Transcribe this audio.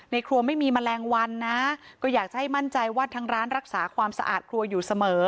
ครัวไม่มีแมลงวันนะก็อยากจะให้มั่นใจว่าทางร้านรักษาความสะอาดครัวอยู่เสมอ